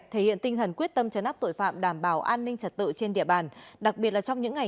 thể hiện tinh thần quyết tâm chấn áp tội phạm đảm bảo an ninh trật tự trên địa bàn đặc biệt là trong những ngày